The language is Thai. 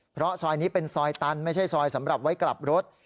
เพราะซอยนี้เป็นซอยตันไม่ใช่ซอยสำหรับไว้กลับรถ